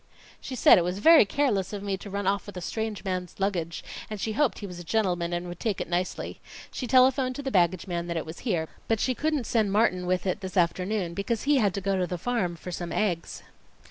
"She said it was very careless of me to run off with a strange man's luggage; and she hoped he was a gentleman and would take it nicely. She telephoned to the baggage man that it was here, but she couldn't send Martin with it this afternoon because he had to go to the farm for some eggs."